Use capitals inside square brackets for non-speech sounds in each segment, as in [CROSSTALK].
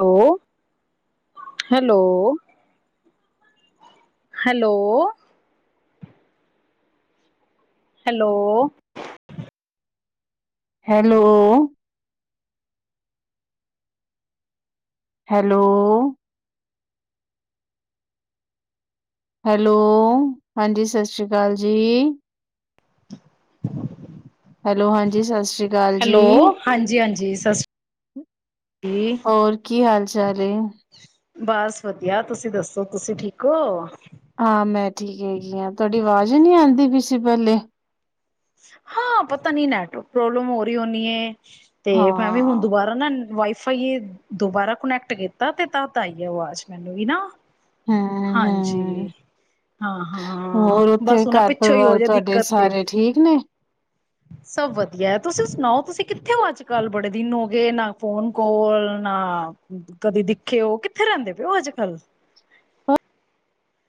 Hello -hello hello? Hello hello? Hello hello, ਹਾਂਜੀ ਸਤਿ ਸ੍ਰੀ ਅਕਾਲ ਜੀ, hello ਹਾਂਜੀ ਸਤਿ ਸ੍ਰੀ ਲਾਲ ਜੀ, ਹੈਲੋ, ਹਾਂਜੀ-ਹਾਂਜੀ ਸਤਿ ਸ਼੍ਰੀ ਹੋਰ ਕੀ ਹਾਲ ਚਾਲ ਹੇ? ਬਸ ਵਧੀਆ ਤੁਸੀਂ ਦੱਸੋ ਤੁਸੀਂ ਠੀਕ ਹੋ? ਹਾਂ ਮੈਂ ਠੀਕ ਹੈਗੀ ਆਂ ਤੁਹਾਡੀ ਆਵਾਜ਼ ਜੀ ਨਹੀਂ ਆਉਂਦੀ ਬੀਸੀ ਪਹਿਲੇ। ਹਾਂ, ਪਤਾ ਨਹੀਂ ਨੈਟਵਰਕ ਪ੍ਰੋਬਲਮ ਹੋ ਰਹੀ ਹੋਣੀ ਏ। ਤੇ ਮੈਂ ਵੀ ਹੁਣ ਹਾਂ ਦੁਬਾਰਾ ਨਾ ਵਾਏ ਦੁਬਾਰਾ ਕਨੈਕਟ ਕੀਤਾ ਨਾ ਤਦ ਆਈ ਆਵਾਜ਼ ਮੈਨੂੰ ਵੀ ਨਾ। ਹੂੰ ਹੂੰ ਹਾਂਜੀ, ਹਾਂ- ਹਾਂ, ਹੋਰ ਉੱਥੇ ਬਸ ਉਹਨੇ ਘਰ ਪਿੱਛੋਂ ਹੀ ਪਰਿਵਾਰ ਹੋਜੇ ਤੁਹਾਡੇ ਦਿੱਕਤ ਤੇ ਸਾਰੇ ਠੀਕ ਨੇ? ਸਭ ਵਧੀਆ ਤੁਸੀਂ ਸੁਣਾਓ ਤੁਸੀਂ ਕਿੱਥੇ ਹੋ ਅੱਜ-ਕੱਲ ਬੜੇ ਦਿਨ ਹੋ ਗਏ ਨਾ ਫੋਨ ਕਾਲ ਨਾ ਕਦੇ ਦਿਖੇ ਹੋ ਕਿੱਥੇ ਰਹਿੰਦੇ ਪਏ ਹੋ ਅੱਜ-ਕੱਲ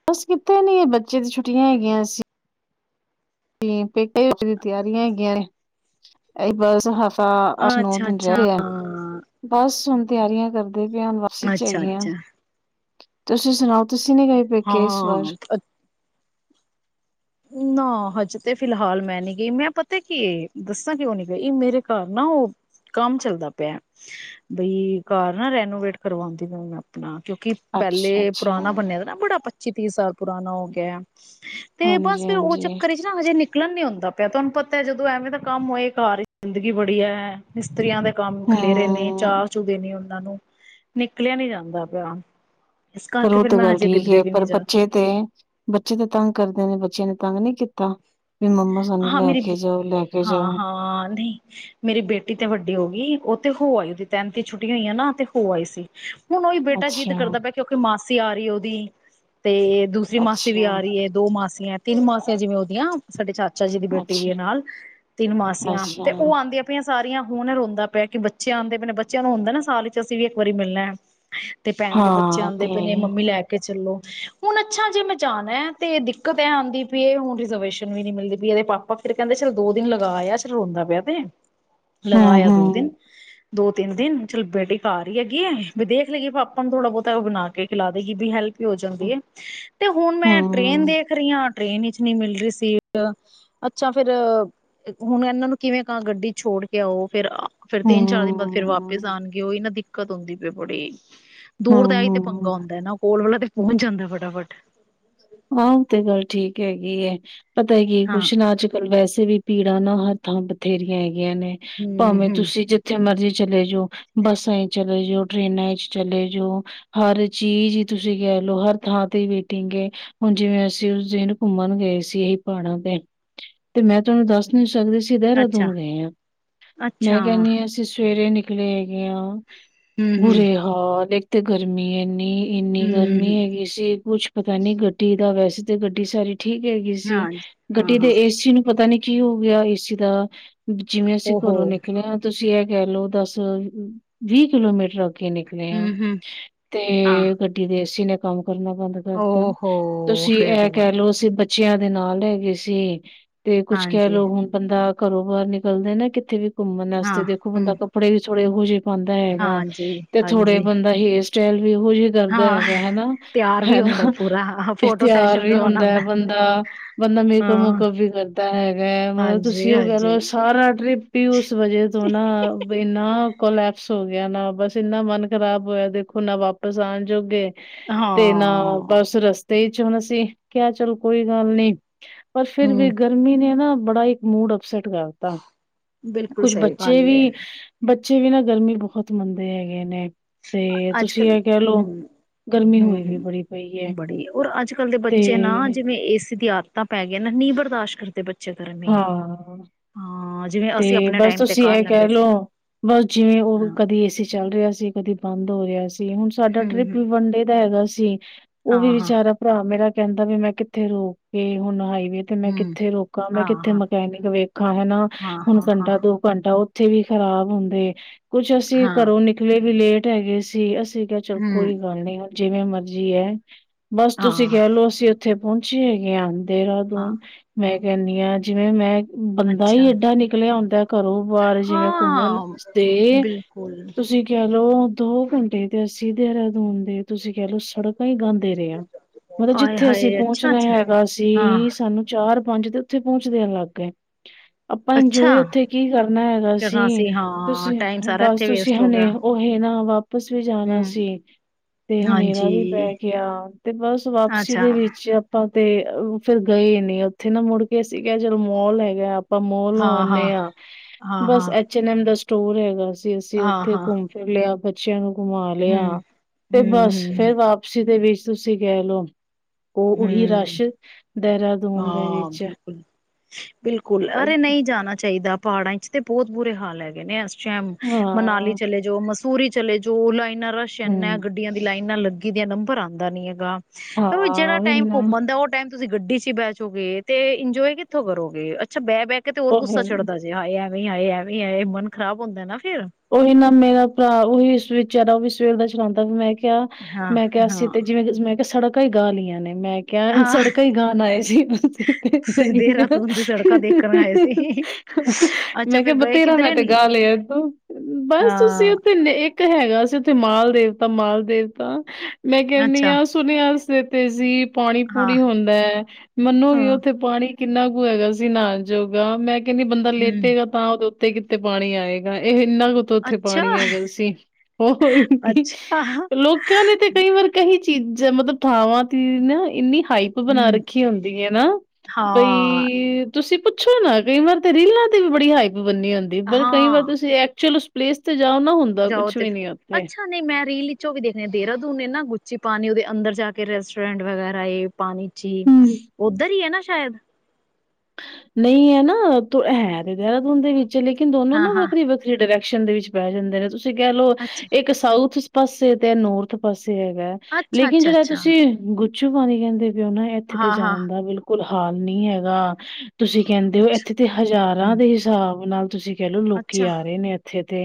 ਬਸ ਕਿੱਥੇ ਨੀ ਹੈ ਬੱਚੇ ਦੀ ਛੁੱਟੀਆਂ ਹੈਗੀਆਂ ਸੀਂ। ਤੇ ਪੇਪਰ ਦੀ ਤਿਆਰੀ ਹੈਗੀਆਂ ਨੇ ਤੇ ਇਹੀ ਬਸ ਹਫ ਤਾਂ ਅੱਠ- ਨੌ ਅੱਛਾ ਦਿਨ ਅੱਛਾ ਰਹਿ ਆ ਬਸ ਹੁਣ ਤਿਆਰੀਆਂ ਕਰ ਮੇਰਾ ਵੱਸ ਨੀ ਚਲ ਅੱਛਾ ਰਿਹਾ। ਅੱਛਾ ਤੁਸੀਂ ਸੁਣਾਓ ਤੁਸੀਂ ਨਹੀਂ ਗਏ ਪੇਕੇ ਇਸ ਵਾਰ ਹਾਂ ਨਾ ਅੱਜ ਤੇ ਫਿਲਹਾਲ ਮੈਂ ਨਹੀਂ ਗਈ ਮੈਂ ਪਤਾ ਕੀ ਦੱਸਾਂ ਕਿਉਂ ਨਹੀਂ ਗਈ ਮੇਰੇ ਘਰ ਨਾ ਉਹ ਕੰਮ ਚਲਦਾ ਪਿਆ ਬਈ ਕਾਰਨ ਰੈਨੋਵੇਟ ਕਰਵਾਉਣ ਦੀ ਗੱਲ ਆਪਣਾ ਕਿਉਂਕਿ ਪਹਿਲੇ ਅੱਛਾ-ਅੱਛਾ, ਪੁਰਾਣਾ ਬਨਿਆ ਦਾ ਨਾ ਬੜਾ ਪਚੀ ਤੀ ਸਾਲ ਪੁਰਾਨਣਾ ਹੋ ਗਿਆ। ਤੇ ਬਸ ਫਿਰ ਉਹ ਹਾਂਜੀ-ਹਾਂਜੀ, ਚੱਕਰ ਚ ਹਜੇ ਨਿਕਲੇ ਨਹੀਂ, ਨਿਕਲਣ ਨਹੀਂ ਹੁੰਦਾ ਪਿਆ ਤੁਹਾਨੂੰ ਪਤਾ ਤੇ ਜਦੋਂ ਐਵੇਂ ਦਾ ਕੰਮ ਹੋਏ ਕਾਰਜ ਗੰਦਗੀ ਬੜੀ ਹ ਮਿਸਤਰੀਆ ਦਾ ਕੰਮ ਖਲੇਰੇ ਨੇ ਹਾਂ। ਚਾਚੂ ਦੇਣੀ ਹੁੰਦੀ ਹਨਾਂ ਨੂੰ ਨਿਕਲਿਆ ਨੀ ਜਾਂਦਾ ਪਿਆ। ਇਸ ਪਰ ਕਰਕੇ ਉਹ ਫਿਰ ਤਾਂ ਮੈਂ ਗੱਲ ਹਜੇ ਠੀਕ ਕਿਧਰੇ ਹ ਵੀ ਨੀ ਪਰ ਜਾ ਬੱਚੇ ਤੇ ਬੱਚੇ ਤੇ ਤੰਗ ਕਰਦੇ ਨੇ ਤੈਨੂੰ ਤੰਗ ਨਹੀਂ ਕੀਤਾ। ਵੀ ਮੰਮਾ ਸਾਨੂੰ ਹਾਂ ਲੈ ਮੇਰੀ ਕੇ ਜਾਓ, ਲੈ ਕੇ ਹਾਂ ਜਾਓ, ਹਾਂ ਨਹੀਂ ਮੇਰੀ ਬੇਟੀ ਤੇ ਵੱਡੀ ਹੋ ਗਈ। ਤੇ ਹੋ ਆਈ ਉਹਦੀ ਤੈਨਥ ਛੁੱਟੀ ਹੋਈਆਂ ਨਾ ਤੇ ਹੋ ਆਈ ਸੀ। ਹੁਣ ਉਹ ਬੇਟਾ ਜੀਤ ਅੱਛਾ। ਕਰਦਾ ਪਿਆ ਕਿਉਂਕਿ ਮਾਸੀ ਆ ਰਹੀ ਉਹਦੀ ਤੇ ਦੂਸਰੀ ਮਾਸੀ ਵੀ ਅੱਛਾ, ਆ ਰਹੀ ਹ ਦੋ ਮਾਸੀ ਤਿੰਨ ਮਾਸੀਆਂ ਜਿਵੇਂ ਉਹਦੀਆਂ ਸਾਡੇ ਚਾਰ ਚਾਚਾ ਜੀ ਦੀ ਬੇਟੀ ਵੀ ਅੱਛਾ, ਨਾਲ ਤਿੰਨ ਮਾਸੀਆਂ ਅੱਛਾ, ਤੇ ਉਹ ਆਉਂਦੀਆਂ ਪ ਸਾਰੀਆਂ ਹੁਣ ਰੋਂਦਾ ਪਿਆ ਕਿ ਬੱਚਿਆਂ ਆਉਂਦੇ ਨੇ ਬੱਚਿਆਂ ਨੂੰ ਹੁੰਦਾ ਨਾ ਸਾਲ ਚ ਅਸੀਂ ਵੀ ਇੱਕ ਵਾਰੀ ਮਿਲਣਾ। ਤੇ ਭੈਣ ਦੇ ਬੱਚੇ ਹਾਂ ਆਉਂਦੇ ਤੇ ਪਏ ਨੇ ਮੰਮੀ ਲੈ ਕੇ ਚਲੋ ਹੁਣ ਅੱਛਾ ਜੇ ਮੈਂ ਜਾਣਾ ਤੇ ਦਿੱਕਤ ਹੈ ਆਉਂਦੀ ਵੀ ਇਹ ਹੁਣ ਰਿਜਰਵੇਸ਼ਨ ਵੀ ਨਹੀਂ ਮਿਲਦੀ। ਇਹਦੇ ਪਾਪਾ ਫਿਰ ਕਹਿੰਦੇ ਦੋ ਦਿਨ ਲਗਾਇਆ ਜ ਰੋਂਦਾ ਪਿਆ ਤੇ ਹੂੰ, ਲਗਾਇਆ ਦੋ ਦਿਨ ਹੂੰ, ਦੋ ਤਿੰਨ ਦਿਨ ਚੱਲ ਬੇਟੀ ਘਾਰ ਈ ਹੈਗੀ ਏ ਵੀ ਦੇਖ ਲੇਗੀ ਪਾਪਾ ਨੂੰ ।ਥੋੜਾ ਬੋਤਾ ਓ ਬਣਾ ਕੇ ਖਿਲਾ ਦੇਗੀ ਵੀ ਹੈਲਪ- ਵੀ ਓ ਜਾਂਦੀ ਹੂੰ, ਏ। ਤੇ ਹੁਣ ਮੈਂ ਟ੍ਰੇਨ ਹੂੰ, ਦੇਖ ਰਈ ਆਂ। ਟ੍ਰੇਨ ਵਿਚ ਨੀ ਮਿਲ ਰੀ ਸੀ। ਅੱਛਾ ਫੇਰ ਹੁਣ ਇਨਾਂ ਨੂੰ ਕਿਵੇਂ ਕਾਂ ਗੱਡੀ 'ਚ ਛੋੜ ਕੇ ਆਓ । ਫੇਰ- ਫੇਰ ਤਿੰਨ ਚਾਰ ਦਿਨ ਬਾਅਦ ਫੇਰ ਵਾਪਿਸ ਹੂੰ, ਆਣਗੇ ਓਈ ਨਾਂ ਦਿਕ- ਕਦੋਂ ਦੀ ਪਏ ਬੜੀ- ਹੂੰ, ਦੂਰ ਦਾ ਏਈ ਤੇ ਹੂੰ। ਪੰਗਾ ਹੁੰਦਾ ਨਾ ਕੋਲ ਹੋ- ਪੋਚ ਜਾਂਦਾ ਫਟਾਫਟ ਆ ਤੇ ਗੱਲ ਠੀਕ ਹੈਗੀ ਐ। ਪਤਾ ਕੀ ਹਾਂ ਕੁੱਛ ਨਾ ਅੱਜ ਕੱਲ੍ਹ ਵੈਸੇ- ਕਿਸੇ ਵੀ ਭੀੜਾਂ ਨਾ ਹਰ ਥਾਂ ਬਥੇਰੀਆਂ ਐ। ਗੀਆਂ ਨੇ ਹੂੰ ਭਾਵੇਂ ਹੂੰ ਤੁਸੀਂ ਜਿੱਥੇ ਮਰਜ਼ੀ- ਚਲੇ ਜਾਓ ।ਬੱਸਾਂ ਚ ਚਲੇ ਜਾਓ, ਟ੍ਰੇਨਾਂ ਚ ਚਲੇ ਜਾਓ। ਹਰ ਚੀਜ਼ ਈ ਤੁਸੀਂ ਕਹਿ ਲਓ ਹਰ ਥਾਂ ਤੇ ਵੇਟਿੰਗ ਏ। ਹੁਣ ਜਿਵੇਂ ਅਸੀਂ ਉਸ ਦਿਨ ਘੁੰਮਣ ਗਏ ਸੀ ਇ ਪਾੜਾਂ ਤੇ। ਤੇ ਮੈਂ ਤਾਨੂੰ ਦੱਸ ਨੀ- ਸਕਦੀ ਸੀ ਅੱਛਾ ਦੇਰਾਦੂਨ ਗਏ ਆ। ਅੱਛਾ ਮੈਂ ਕੈਣੀ ਆ ਅਸੀਂ- ਸਵੇਰੇ ਨਿਕਲੇ ਹੈਗੇ ਆ- ਹੂੰ ਹੂੰ ਬੁਰੇ ਹਾਲ ਏ। ਅਤੇ ਗਰਮੀ ਏਨੀ। ਏਨੀ ਹੂੰ ਗਰਮੀ ਹੂੰ ਹੈਗੀ ਸੀ ਕੁਛ- ਪਤਾ ਨੀ ਗਡ- ਗੱਡੀ ਦਾ ਵੈਸੇ ਤਾਂ ਗੱਡੀ ਸਾਰੀ- ਠੀਕ ਹੈਗੀ ਸੀ। ਹਾਂਜੀ ਹਾਂ ਗੱਡੀ ਦੇ ਹਾਂ ਏ ਸੀ ਨੂੰ ਪਤਾ ਨੀ- ਕੀ ਹੋ ਗਿਆ ਏ ਸੀ ਦਾ- ਜਿਵੇਂ ਅਸੀਂ ਓਹੋ ਘਰੋਂ ਨਿਕਲੇ ਆਂ ਤੇ- ਤੁਸੀਂ ਐ ਕੈ ਲਓ ਦੱਸ -ਵੀਹ ਕਿਲੋਮੀਟਰ- ਕੇ ਨਿਕਲੇ ਆ ਹੂੰ ਹੂੰ ਹਾਂ ਤੇ ਗੱਡੀ ਦੇ ਏ ਸੀ ਨੇ- ਕੰਮ ਕਰਨਾ ਬੰਦ ਕਰਤਾ। ਓਹੋ ਤੁਸੀਂ ਫੇਰ ਤੇ ਐ ਬੜ ਕਹਿ ਲਓ ਅਸੀਂ ਬਚ- ਬੱਚਿਆਂ ਦੇ ਨਾਲ ਹੈਗੇ ਸੀ। ਤੇ ਕੁੱਛ ਕਹਿ ਹਾਂਜੀ ਲੋੋ ਹੁਣ ਬੰਦਾ- ਘਰੋਂ ਬਾਰ ਨਿਕਲਦੇ ਨੇ ਕਿੱਥੇ ਵੀ- ਘੁੰਮਣ ਹਾਂ ਵਾਸਤੇ ਦੇਖੋ ਬੰਦਾ ਹੂੰ ਕੱਪੜੇ ਵੀ- ਥੋੜੇ ਕੁਝ ਪਾਂਦਾ ਹੈਗਾ ਹਾਂਜੀ ਤੇ ਥੋੜੇ ਹਾਂਜੀ ਬੰਦਾ ਹੇਰ- ਚਲ। ਇਹੋ ਜਿਹੇ ਕਰਦਾ ਹਾਂ ਹੈਗਾ ਹੈਨਾ ਤਿਆਰ ਵੀ ਹੈਨਾ। ਹੁੰਦਾ ਪੂਰਾ ਫੋਟੋ ਤਿਆਰ ਸੈਸ਼ਨ ਵੀ ਕਰਵਾਉਣਾ ਹੁੰਦਾ ਹੈ ਬੰਦਾ ਬੰਦਾ ਮੇਕਅਪ ਹਾਂ ਮੁਕਅਪ ਵੀ ਕਰਦਾ ਹੈਗਾ ਹੈ ਮਤਲਬ ਹਾਂਜੀ ਤੁਸੀਂ ਉਹ ਕਹਿ ਹਾਂਜੀ ਲਓ ਸਾਰਾ ਟ੍ਰਿਪ ਹੀ ਉਸ ਵਜੇ ਤੋਂ ਨਾ ਇੰਨਾ ਕੋਲੈਪਸ ਹੋ ਗਿਆ ਨਾ ਬਸ ਇਨਾ ਮਨ ਖ਼ਰਾਬ ਹੋਇਆ ਦੇਖੋ ਨਾ ਵਾਪਿਸ ਆਉਣ ਜੋਗੇ ਤੇ ਨਾ ਹਾਂ ਬਸ ਰਸ ਤੇ ਇਹ ਚ ਹੁਣਾ ਸੀ ਕਿਹਾਿਆ ਚਲ ਕੋਈ ਗੱਲ ਨੀ। ਪਰ ਫਿਰ ਵੀ ਹੂੰ ਗਰਮੀ ਨੇ ਨਾ। ਬੜਾ ਇੱਕ ਮੂਡ ਅਪਸਟ ਕਰਤਾ ਬਿਲਕੁਲ ਕੁਛ ਸਹੀ ਬੱਚੇ ਗੱਲ ਏ ਵੀ ਬੱਚੇ ਵੀ ਨਾ ਗਰਮੀ ਬਹੁਤ ਮੰਨਦੇ ਹੈਗੇ ਨੇ। ਤੇ ਅੱਜ ਤੁਸੀਂ ਕੱਲ ਇਹ ਕਹਿ ਲੋਓ ਹੂੰ ਗਰਮੀ ਹੋਈ ਵੀ ਬੜੀ ਪਈ। ਅੋਰ ਅੱਜ ਕੱਲ ਦੇ ਤੇ ਬੱਚੇ ਨਾ ਜਿਵੇਂ ਏਸੀ ਦੀ ਆਧਤ। ਤਾਂ ਪੈ ਗਿਆ ਨਾ ਨੀ ਬਰਦਾਸ਼ ਕਰਦੇ ਬੱਚੇ। ਗਰਮੀ ਹਾਂ ਹਾਂ ਜਿਵੇਂ ਅਸੀਂ ਤੇ ਆਪਣੇ ਬਸ ਟਾਈਮ ਤੇ ਤੁਸੀਂ ਕਰ ਇਹ ਕਹਿ ਲੈਂਦੇ ਸੀ ਲਓ ਬਸ ਜਿਵੇਂ ਉਹ ਹਾਂ ਕਦੀ ਏਸੀ ਚੱਲ ਰਿਹਾ ਸੀ ਕਦੀ। ਬੰਦ ਹੋ ਰਿਹਾ ਸੀ। ਹੁਣ ਸਾਡਾ ਟ੍ਰਿਪ ਹੂੰ ਵੀ ਵਨਡੇ ਦਾ ਹੈਗਾ ਸੀ। ਉਹ ਵੀ ਹਾਂ ਹਾਂ ਵਿਚਾਰਾ ਭਰਾ ਮੇਰਾ। ਕਹਿੰਦਾ ਵੀ ਮੈਂ ਕਿੱਥੇ ਰੋ ਕੇ ਹੁਣ ਆਈ। ਤੇ ਮੈਂ ਹੂੰ ਕਿੱਥੇ ਰੋਕ। ਮੈਂ ਹਾਂ ਕਿੱਥੇ ਹਾਂ ਮਕੈਨਿਕ ਵੇਖਾ ਹਨਾ ਹਾਂ ਹੁਣ ਹਾਂ ਹਾਂ ਘੰਟਾ ਦੋ ਘੰਟਾ। ਉੱਥੇ ਵੀ ਖ਼ਰਾਬ ਹੁੰਦੇ। ਕੁਛ ਅਸੀਂ ਹਾਂ ਘਰੋ ਨਿਕਲੇ ਵੀ ਲੇਟ। ਰੈ ਗਏ ਸੀ ਅਸੀ। ਗਾ ਚਲ ਕੋਈ ਹੂੰ ਗੱਲ ਨੀ। ਜਿਵੇਂ ਮਰਜੀ ਹੈਂ। ਬਸ ਤੁਸੀਂ ਹਾਂ ਕਹਿ ਲਓ ਅਸੀਂ। ਉੱਥੇ ਪਹੁੰਚੇ ਹੈਗੇ ਆ। ਹਾਂ ਦੇਹਰਾਦੂਨ ਮੈਂ। ਕਹਿੰਦੀ ਹਾਂ ਜਿਵੇਂ ਮੈਂ। ਬੰਦਾ ਹੀ ਅੱਛਾ ਏਡਾ ਨਿਕਲਿਆ ਹੁੰਦਾ ਘਰੋਂ ਬਾਹਰ ਜਿਵੇਂ ਘੁੰਮਣ ਹਾਂ ਤੇ ਬਿਲਕੁਲ ਤੁਸੀਂ ਕਹਿ ਲਓ। ਦੋ ਘੰਟੇ ਤੇ ਅਸੀਂ ਦੇਹਰਾਦੂਨ ਦੇ। ਤੁਸੀਂ ਕਹਿ ਲਓ ਸੜਕਾਂ ਹੀ ਗਾਉਂਦੇ ਰਹੇ ਆ ਮਤਲਬ ਆਏ ਜਿੱਥੇ ਅਸੀਂ ਹਾਏ ਅੱਛਾ ਪਹੁੰਚਣਾ ਅੱਛਾ ਹੈਗਾ ਸੀ ਹਾਂ ਸਾਨੂੰ ਚਾਰ। ਜਦੋਂ ਓਥੇ ਪਹੁੰਚਦਿਆਂ ਲੱਗ ਗਏ। ਆਪਾਂ ਅੱਛਾ ਇੰਜੋਏ ਉੱਥੇ ਕੀ ਕਰਨਾ ਹੈਗਾ ਕਰਨਾ ਸੀ ਹਾਂ ਤੁਸੀਂ ਟਾਈਮ ਸਾਰਾ ਬਸ ਇੱਥੇ ਤੁਸੀਂ ਵੇਸਟ ਹੋ ਗਿਆ ਹਣੇ ਉਹ ਨਾ ਵ। ਵਾਪਸ ਵੀ ਜਾਣਾ ਹੂੰ ਸੀ ਤੇ ਹਨੇਰਾ ਹਾਂਜੀ ਵੀ ਪੈ ਗਿਆ ਤੇ ਬਸ ਵਾਪਸੀ ਅੱਛਾ ਦੇ ਵਿੱਚ ਆਪਾਂ। ਤੇ ਫੇਿਰ ਗਏ ਨੇ ਉੱਥੇ ਨਾ ਮੁੜ ਕੇ ਅਸੀ ਕਿਆ ਜਦੋਂ ਮੋਲ ਹੈਗਾ ਆਪਾਂ ਮੋਲ ਹੋ ਹਾਂ ਹਾਂ ਆਨੇ ਆ ਹਾਂ ਬਸ ਹਾਂ ਐਚ ਐਨ ਐਮ ਦੱਸ ਸਟੋਰ ਹੈਗਾ ਸੀ। ਜੇ ਅਸੀਂ ਹਾਂ ਉੱਥੇ ਹਾਂ ਘੁੰਮ ਫਿਰ ਲਿਆ ਚੱਲ [UNINTELLIGIBLE] ਘੁਮਾ ਲਿਆ ਹੂੰ, ਤੇ ਹੂੰ, ਬਸ ਫੇਰ ਹੂੰ, ਵਾਪਸੀ ਦੇ ਵਿੱਚ ਤੁਸੀਂ ਕਹਿ ਲੋਓ। ਉਹ ਉਹੀ ਹੂੰ ਰਸ਼ ਦੇਹਰਾਦੂਨ ਦੇ ਹਾਂ ਵਿੱਚ ਬਿਲਕੁਲ ਬਿਲਕੁਲ ਅਰੇ ਬ- ਨਹੀਂ ਜਾਣਾ ਚਾਹੀਦਾ। ਪਹਾੜਾਂ ਵਿਚ ਤੇ ਬਹੁਤ ਬੁਰੇ ਹਾਲ ਹੈਗੇ ਨੇ ਇਸ ਟਾਈਮ ਮਨਾਲੀ ਹਾਂ ਚਲੇ ਜਾਓ ਮਸ ਊਰੀ ਚਲੇ ਜੋ ਲਾਈ। ਇੰਨਾ ਰਸ਼ ਐਨਾ ਹੈ ਹੂੰ ਗੱਡੀਆਂ ਦੀ ਲਾਈਨਾਂ ਲੱਗ ਗੀ ਦਾ ਨੰਬਰ ਆਉਂਦਾ ਨੀ ਹੈਗਾ। ਹਾ ਜਿਹੜਾ ਹਾਂ ਉਹੀ ਟਾਈਮ ਨਾ ਘੁੰਮਣ ਦਾ ਉਹ ਟਾਈਮ ਤੁਸੀਂ ਗੱਡੀ ਚ ਬੈਚੋਗੇ ਤੇ ਇੰਜੋਏ ਕਿੱਥੋਂ ਕਰੋਗੇ ਅੱਛਾ ਬੈ ਬਹਿ ਕੇ ਤੇ ਹੋਰ ਉਹ ਗੁੱਸਾ ਹੈ ਚੜਦਾ ਜੇ ਹਾਏ ਐ ਵੀ ਆਏ ਇਹ ਵੀ ਆਏ ਓਏ ਖਰਾਬ ਹੁੰਦਾ ਨਾ। [INAUDIBLE] ਉਹੀ ਨਾ ਮੇਰਾ ਭਰਾ ਵੀ ਇਸ ਵਿੱਚ ਵਿਚਾਰਾ ਉਹ ਸਵੇਰ ਦਾ ਚਲਾਉਂਦਾ ਮੈ ਵੀ ਕਿਹਾ ਹਾਂ, ਮੈਂ ਕਿਹਾ ਸੀ ਹਾਂ, ਤੇ ਜਿਵੇਂ ਮੈਂ ਕਿਹਾ ਸੜਕ ਕਈ ਗਾਲੀਆਂ ਨੇ ਮੈਂ ਕਿਹਾ ਹਾਂ ਸੜਕਾਂ ਹੀ ਗਾਣ ਆਏ ਸੀ ਤੁਸੀਂ ਦੇਹਰਾਦੂਨ ਦੀ ਸੜਕਾਂ ਦੇਖਣ ਆਏ ਸੀ ਅੱਛਾ ਮੈਂ ਕਿਹਾ ਫੇਰ ਗਏ ਬਥੇਰਾ ਮੈਂ ਕਿੱਧਰੇ ਤੇ ਨੀ। ਗਾ ਲ ਆ ਤੂੰ [UNINTELLIGIBLE] ਬਸ ਤੁਸੀਂ ਉੱਥੇ ਨ ਇੱਕ ਹੈਗਾ ਸੀ ਉੱਥੇ। ਮਾਲ ਦੇਵਤਾ ਮਾਲ ਦੇਵਤਾ ਮੈਂ ਕਹਿਣੀ ਆ ਸੁਣਿਆ। ਤੇ ਤਹਿਜ਼ੀਬ ਪਾਣੀ ਪੂਣੀ ਹੁੰਦਾ ਹੈ ਮੰਨੋਗੇ ਉੱਥੇ ਪਾਣੀ ਕਿੰਨਾ ਕੁ ਹੈਗਾ ਸੀ ਨਾਹਨ ਜੋਗਾ ਮੈਂ ਕਹਿੰਦੀ ਬੰਦਾ ਲੇਟੇਗਾ ਤਾਂ ਉਹਦੇ ਕਿਤੇ ਕਿਤੇ ਪਾਣੀ ਆਏਗਾ। ਇਹ ਇੰਨਾ ਕੁ ਉੱਥੇ ਅੱਛਾ ਪਾਣੀ ਹੈਗਾ ਸੀ। ਹੋਰ ਕੀ ਅੱਛਾ ਲੋਕਾਂ ਨੇ ਤੇ ਕਈ ਵਾਰ ਕਹੀ। ਚੀਜ਼ਾਂ ਮਤਲਬ ਥਾਵਾਂ ਤੇ ਨਾ ਇੰਨੀ ਹਾਈਪ ਬਣਾ ਹਮ ਰੱਖੀ ਹੁੰਦੀ ਹੈ ਨਾ ਹਾਂ ਬਈ ਤੁਸੀਂ ਪੁੱਛੋ ਨਾ ਕਈ ਵਾਰ ਤੇ ਰੀਲਾਂ ਤੇ ਵੀ ਬੜੀ ਹਾਈ ਬੰਨੀ ਹੁੰਂਦੀ ਪਰ ਹਾਂ ਕਈ ਵਾਰ ਤੁਸੀਂ ਐਕਚੁਅਲ ਉਸ ਪਲੇਸ ਤੇ ਜਾਓ ਨਾ ਹੁੰਦਾ ਜਾਓ ਕੁਛ ਤੇ ਵੀ ਫਿਰ ਨੀ ਉੱਥੇ ਅੱਛਾ ਨਹੀਂ ਮੈਂ ਰੀਲ ਵਿਚੋਂ ਵੀ ਦੇਖਣੇ ਦੇਹਰਾਦੂਨ ਨੇ ਨਾ ਗ ਚੀ ਪਾਣੀ ਉਹਦੇ ਅੰਦਰ ਜਾ ਕੇ ਰੈਸਟੋਰੈਂਟ ਵਗੈਰਾ ਏ ਪਾਣੀ ਚ' ਹੀ ਹੂੰ ਉੱਧਰ ਹੀ ਹੈ ਨਾ ਸ਼ਾਇਦ ਨਹੀਂ ਹੈ ਨਾ ਤੂੰ ਹੈ ਤੇ ਦੇਹਰਾਦੂਨ ਦੇ ਵਿੱਚ ਲੇਕਿਨ ਦੋਨੋ ਹਾਂ ਨਾ ਹਾਂ ਵੱਖਰੀ-ਵੱਖਰੀ ਡਰੈਕ ਡਰੈਕਸ਼ਨ ਦੇ ਵਿੱਚ ਪੈ ਜਾਂਦੇ ਨੇ ਤੁਸੀਂ ਕਹਿ ਲਓ, ਅੱਛਾ ਇੱਕ ਸਾਊਥ ਪਾਸੇ ਤੇ ਨੌਰਥ ਪਾਸੇ ਹੈਗਾ, ਅੱਛਾ ਲੇਕਿਨ ਅੱਛਾ ਜਿਹੜਾ ਅੱਛਾ ਤੁਸੀਂ ਗੁ ਪਛੂ ਪਾਣੀ ਕਹਿੰਦੇ ਵੀ ਉਹ ਨਾ ਇੱਥੇ ਤੇ ਹਾਂ ਜਾਣ ਹਾਂ ਦਾ ਬਿਲਕੁਲ ਬਿਲਕੁਲ ਹਾਲ ਨਹੀਂ ਹੈਗਾ। ਤੁਸੀਂ ਕਹਿੰਦੇ ਹੋ ਅੱਛਾ ਇੱਥੇ ਤੇ ਹਜ਼ਾਰਾਂ ਹਮ ਦੇ ਹਿਸਾਬ ਨਾਲ ਤੁਸੀਂ ਕਹਿਲੋ ਲੋਕੀ ਅੱਛਾ ਆ ਰਹੇ ਨੇ ਇੱਥੇ ਤੇ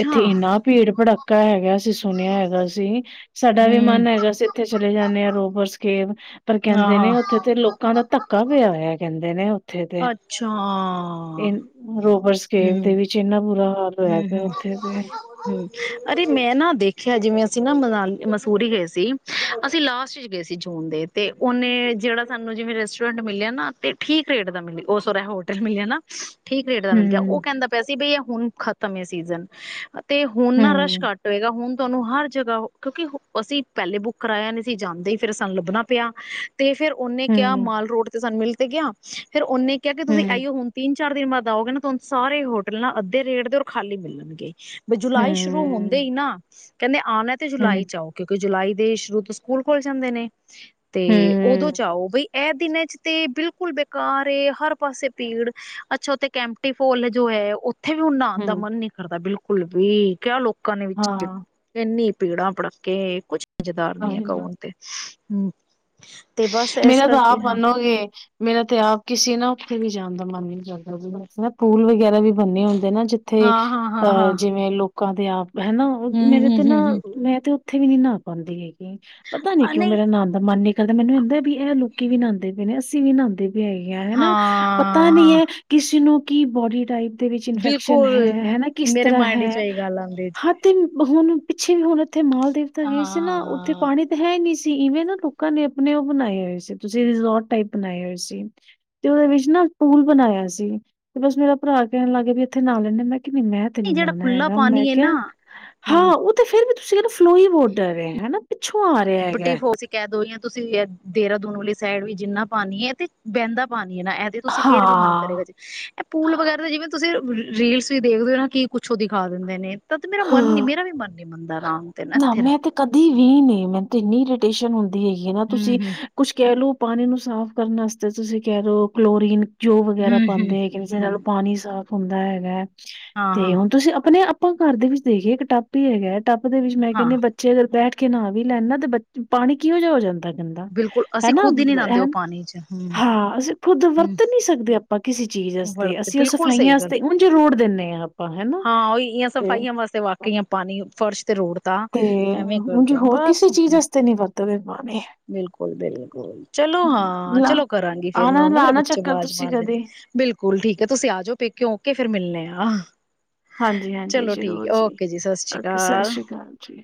ਇੱਥੇ ਇੰਨਾ ਭੀੜ-ਭੜਾਕ ਭੜਕਾ ਹੈਗਾ। ਅਸੀਂ ਸੁਣਿਆ ਹੈਗਾ ਸੀ ਸਾਡਾ ਵੀ ਹਮ ਮਨ ਹੈਗਾ ਅਸੀਂ ਇੱਥੇ ਚਲੇ ਜਾਂਨੇ ਹਾਂ। ਰੋਬਰਸ ਕੇਬ ਪਰ ਹਾਂ ਕਹਿੰਦੇ ਹਾਂ ਨੇ ਉੱਥੇ ਤੇ ਲੋਕਾਂ ਦਾ ਧੱ ਧੱਕਾ ਪਿਆ ਹੋਇਆ ਕਹਿੰਦੇ ਨੇ ੳਥੇ ਦੇ ਅੱਛਾ ਇਹ ਰੋਬਰਸ [UNINTELLIGIBLE] ਦੇ ਵਿੱਚ ਇਨਾ। ਹੂੰ-ਹੂੰ-ਹੂੰ, ਅਰੇ ਮੈਂ ਨਾ ਦੇਖਿਆ ਜਿਵੇਂ ਅਸੀਂ ਨਾ ਮਨਾਲੀ ਮਸੂਰੀ ਗਏ ਸੀ, ਅਸੀਂ ਲਾਸਟ ਚ ਗਏ ਸੀ ਜੂਨ ਦੇ ਤੇ ਉਹਨੇ ਜਿਹੜਾ ਸਾਨੂੰ ਜਿਵੇਂ ਰੈਸਟੋਰੈਂਟ ਮਿਲਿਆ ਨਾ ਤੇ ਠੀਕ ਰੇਟ ਦਾ ਮਿਲਿਆ ਉਹ ਸੋਰੀ ਹੋਟਲ ਮਿਲਿਆ ਨਾ। ਠੀਕ ਰੇਟ ਦਾ ਮਿਲ ਗਿਆ ਹੂੰ, ਉਹ ਕਹਿੰਦਾ ਪਿਆ ਸੀ ਬਈ। ਹੂਨ। ਖ਼ਤਮ ਹੈ ਸੀਜ਼ਨ। ਤੇ ਹੁਣ ਨਾ ਰਸ਼ ਹੂੰ, ਘੱਟ ਹੋਏਗਾ ਹੁਣ। ਤੁਹਾਨੂੰ ਹਰ ਜਗ੍ਹਾ ਕਿਉਂਕਿ ਅਸੀਂ ਪਹਿਲੇ ਬੁੱਕ ਕਰਾਇਆ ਨਹੀਂ ਸੀ ਜਾਂਦੇ ਹੀ ਫੇਰ ਸਾਨੂੰ ਲੱਭਣਾ ਪਿਆ। ਤੇ ਫੇਰ ਉਹਨੇ ਕਿਹਾ ਹੂੰ, ਹੂੰ, ਮਾਲ ਰੋਡ ਤੇ ਸਾਨੂੰ ਮਿਲ। ਤੇ ਗਿਆ ਫੇਰ ਉਹਨੇ। ਕ ਕਿਹਾ ਕਿ ਤੁਸੀਂ ਹੂੰ, ਆਈਓ ਹੁਣ ਤਿੰਨ। ਚਾਰ ਦਿਨ ਬਾਅਦ ਆਉਗੇ ਨਾ ਤੁਹਾਨੂੰ ਸਾਰੇ ਹੋਟਲ ਨਾ ਅੱਧੇ ਰੇਟ। ਅਧਿਕਤਰ ਖਾਲੀ ਮਿਲਣਗੇ। ਬਸ ਜੁਲਾਈ ਸ਼ੁਰੂ ਹੁੰਦੇ ਹੂੰ, ਹੀ ਨਾ। ਕਿਹੜੇ ਆ ਆਉਣਾ ਤੇ ਜੁਲਾਈ ਚ ਆਓ ਕਿਉਂਕਿ ਜੁਲਾਈ। ਦੇ ਸ਼ੁਰੂ ਤੋਂ ਸਕੂਲ ਖੋਲ ਜਾਂਦੇ ਨੇ। ਤੇ ਉਦੋਂ ਹੂੰ, ਜਾਓ ਬਈ। ਇਹ ਦਿਨਾਂ ਚ ਤੇ ਬਿਲਕੁਲ ਬੇਕਾਰ ਹੈ ਹਰ ਪਾਸੇ ਭੀੜ ਅੱਛਾ ਉੱਥੇ ਕੈਂਪਟੀ ਫੋਲ ਜੋ ਹੈ ਉੱਥੇ ਵੀ ਹ। ਦਾ ਹੂੰ। ਮਨ ਨੀ ਕਰਦਾ ਬਿਲਕੁਲ। ਕੁੁੱਲਬੀ ਕਿਆ ਲੋਕ। ਕਣ ਵਿੱਚ ਇੰਨੀ। ਪੀੜਾ ਭੜਕੇ ਕੁਛ। ਸਮਝਦਾਰਨੀ ਹੈ ਹਾਂ, ਕਵਣ ਤੇ। ਹਮ। ਮੇਰਾ ਤਾਂ ਆਪ ਮਨੋਗੇ ਮੇਰਾ ਤਾਂ ਆਪ ਕਿਸੀ ਨਾ। ਕਿਤੇ ਵੀ ਜਾਣ ਦਾ ਮਨ ਵੀ ਨੀ ਕਰਦਾ ਨਾ ਪੂਲ ਵਗੈਰਾ ਵੀ। ਬੰਨੇ ਹੁੰਦੇ ਨਾ ਜਿੱਥੇ ਹਾਂ ਹਾਂ ਹਾਂ ਅਹ ਹਾਂ ਜਿਵੇਂ ਲੋਕ। ਲੋਕਾਂ ਦੇ ਆਪ। ਹਨਾ ਹੂੰ ਮੇਰੇ ਹੂੰ ਤੇ ਹੂੰ ਨਾ ਹੂੰ ਮੈਂ ਤੇ। ਉੱਥੇ ਵੀ ਨੀ ਨਹਾ ਪਾਉਂਦੀ ਹੈ। ਪਤਾ ਨੀ ਆ ਕਿਉਂ ਨਹੀਂ ਮੇਰਾ ਨਾਣ ਦਾ ਮਨ ਨੀ। ਦਾ ਮੈਨੂੰ ਕਹਿੰਦਾ ਵੀ ਇਹ ਲੋਕੀ ਵੀ ਨਾਉਂਦੇ ਪ ਨੇ ਅਸੀਂ ਵੀ ਨਹਾਉਂਦੇ। ਵੀ ਹੈਗੀਆਂ ਹਨਾ ਪਤਾ ਹਾਂ ਨੀ ਹਾਂ ਹੈ ਕਿਸੇ ਨੂੰ। ਕੀ ਬੋਡੀ ਟਾਈਪ ਦੇ ਵਿੱਚ ਇਨਫੈਕਸ਼ਨ ਬਿਲਕੁਲ ਹੈ ਹਨਾ ਕਿਸ ਮੇਰੇ ਤਰ੍ਹਾਂ ਮਾਇੰਡ ਚ ਹੈ ਇਹੀ ਗੱਲ ਆਉਂਦੀ ਹੱਥ ਬੁਣ ਪਿੱਛੇ ਵੀ ਹੋੁਣ ਉੱਥੇ ਮਾਲ ਦੇਣ ਤਾ ਗਏ ਸੀ ਨਾ ਉੱਥੇ ਹਾਂ ਪਾਣੀ ਤਾਂ ਹੈ ਹੀ ਨਹੀਂ ਸੀ। ਤੇ ਇਹਵੇ ਨਾ ਲੋਕਾਂ ਨੇ ਆਪਣੇ ਉਹ ਬਣਾਏ ਹੋਏ ਸੀ। ਤੁਸੀਂ ਰਿਜ਼ੋਰਟ ਟਾਈਪ ਬਣਾਏ ਹੋਏ ਸੀ ਤੇ ਉਹਦੇ ਵਿੱਚ ਨਾ ਪੂਲ ਬਣਾਇਆ ਸੀ ਤੇ ਬਸ ਮੇਰਾ ਭਰਾ ਕਹਿਣ ਲੱਗਗੇ ਵੀ ਇੱਥੇ ਨਾਂ ਲੈਣੇ ਮੈਂ ਨਹੀਂ ਮੈਂ ਤੇ ਨੀ ਜਿਹੜਾ ਨਾਣਾ ਖੁੱਲਾ ਹੈਗਾ ਮੈਂ ਪਾਣੀ ਹੈ ਕਿਹਾ ਨਾ ਹਾਂ ਹਮ ਉਹ ਤੇ ਫੇਰ ਵੀ ਸਿਰਫ ਫਲੋਈ ਬੋਡਰ ਹੈ ਹਨਾ ਪਿੱਛੋਂ ਆ ਰਿਹਾ ਹੈਗਾ। ਬਟੇ ਫੋਸ ਕਹਿ ਦੋ ਜਾਂ ਤੁਸੀਂ ਦੇਹਰਾਦੂਨ ਵਾਲੀ ਸਾਈਡ ਵੀ ਜਿੰਨਾ ਪਾਣੀ ਹੈ ਤੇ ਬਹਿੰਦਾ ਪਾਣੀ ਨਾ ਇਹ ਤੇ ਤੁਸੀਂ ਫੇਰ ਵੀ ਮਨ ਹਾਂ ਕਰੇਗਾ ਜੀ ਇਹ ਪੂਲ ਵਗੈਰਾ ਦਾ ਜਿਵੇਂ ਤੁਸੀਂ ਰੀਲਸ ਵੀ ਦੇਖਦੇ ਹੋ ਨਾ ਕੀ ਕੁਛੋ ਦਿਖਾ ਦਿੰਦੇ ਨੇ ਤਾਂ ਤੇ ਮੇਰਾ ਮਨ ਨੀ ਹਾਂ ਮੇਰਾ ਵੀ ਮਨ ਨੀ ਮੰਨਦਾ ਰਾਮ ਤੇ ਨਾ ਇੱਥੇ ਮੈਂ ਤੇ ਕਦੀ ਵੀ ਵੀ ਨੇ ਮੈਨੂੰ ਇੰਨੀ ਇਟੇਸ਼ਨ ਹੁੰਦੀ ਹੈਗੀ ਹੈ ਨਾ ਤੁਸੀਂ ਹਮ ਹਮ ਕੁਛ ਕਹਿ ਲਓ ਪਾਣੀ ਨੂੰ ਸਾਫ਼ ਕਰਨ ਵਾਸਤੇ ਤੁਸੀਂ ਕਹਿ ਰਹੇ ਕਲੋਰੀਨ ਜੋ ਵਗੈਰਾ ਹਮ ਹਮ ਪਾਉਂਦੇ ਹੈਗੇ ਨੇ ਜ ਨਾਲੋਂ ਹਮ ਪਾਣੀ ਸਾਫ ਹੁੰਦਾ ਹੈਗਾ ਹਾਂ ਹਾਂ ਤੇ ਹੁਣ ਤੁਸੀਂ ਆਪਣੇ ਆਪ ਘਰ ਦੇ ਵਿੱਚ ਦੇਖੀਏ ਇੱਕ ਟਪ ਹੀ ਹੈਗਾ ਟੱਪ ਦੇ ਵਿੱਚ ਮੈਂ ਹਾਂ ਕਹਿੰਦੀ ਬੱਚੇ ਅਗਰ ਬੈਠ ਕੇ ਨਾ ਵੀ ਲੈਣਾ ਤੇ ਬੱਚ ਪਾਣੀ ਕਿਹੋ ਜਿਹਾ ਹੋ ਜਾਂਦਾ ਦਾ ਬਿਲਕੁਲ ਅਸੀਂ ਹਨਾ ਖੁਦ ਹੀ ਨੀ ਨਾਂਦੇ ਉਹ ਪਾਣੀ ਚ ਹਮ ਹਾਂ ਅਸੀਂ ਖੁਦ ਹਮ ਵਰਤ ਨੀ ਸਕਦੇ ਆਪਾਂ ਆਪਾਂ ਕਿਸੇ ਚੀਜ਼ਸਤੇ ਵਰਤ ਅਸੀਂ ਉਹ ਬਿਲਕੁਲ ਸਹੀ ਗੱਲ ਸਫਾਈਆਂਸਤੇ ਹਣ ਜ ਰੋੜ ਦਿੰਦੇ ਹਾਂ ਆਪਾਂ ਹਨਾ ਹਾਂ ਉਹ ਇਹ ਸਭ ਤੇ ਕਈਆਂ ਵਾਸਤੇ ਵਾਕਈਆਂ ਪਾਣੀ ਫਰਸ਼ ਤੇ ਰੋਡ ਤੇ ਐਵੇਂ ਉਂਝ ਕਰਦੇ ਆ ਹੋਰ ਬਸ ਕਿਸੇ ਚੀਜ਼ ਵਾਸਤੇ ਨਹੀਂ ਵਰਤਦੇ ਪਾਣੀ ਬਿਲਕੁਲ ਬਿਲਕੁਲ ਚਲੋ ਹਾਂ ਲਾ ਚਲੋ ਕਰਾਂਗੀ ਫੇਰ ਮੈਂ ਆਣਾ ਹ ਨਾ ਮੇਰੇ ਲਾਣਾ ਬੱਚੇ ਚੱਕਰ ਆਵਾਜ਼ ਤੁਸੀਂ ਮਾਰਦੇ ਕਦੇ ਬਿਲਕੁਲ ਠੀਕ ਹੈ ਤੁਸੀਂ ਆ ਜਾਓ ਪੇਕੇਿ ਓਕੇ ਫੇਿਰ ਮਿਲਣੇ ਆ ਆਹ ਹਾਂਜੀ ਹਾਂਜੀ ਜ਼ਰੂਰ ਜੀ ਸ਼੍ਰੀ ਓਕੇ ਸਤਿ ਅਕਾਲ ਸ੍ਰੀ ਅਕਾਲ ਜੀ